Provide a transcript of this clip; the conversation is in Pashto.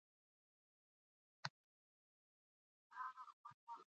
نورستان د افغان کلتور سره تړاو لري.